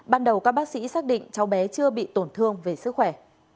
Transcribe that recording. ban đầu các bác sĩ xác định cháu bé chưa bị tổn thương về sức khỏe